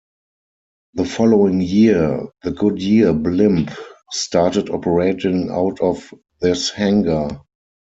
The following year, the Goodyear Blimp started operating out of this hangar.